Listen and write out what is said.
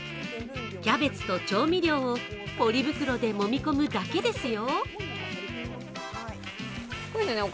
キャベツと調味料をポリ袋でもみ込むだけですよ。